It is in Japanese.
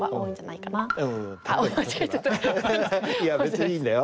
いや別にいいんだよ。